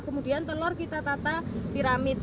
kemudian telur kita tata piramid